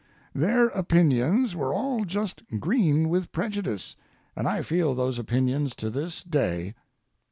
Their opinions were all just green with prejudice, and I feel those opinions to this day.